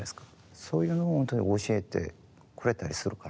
そういうのをほんとに教えてくれたりするから。